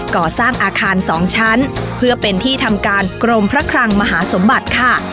ก่อสร้างอาคาร๒ชั้นเพื่อเป็นที่ทำการกรมพระคลังมหาสมบัติค่ะ